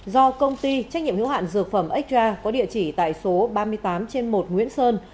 do công ty trách nhiệm hữu hạn dược phẩm extra có địa chỉ tại số ba mươi tám trên một nguyễn sơn